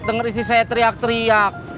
denger istri saya teriak teriak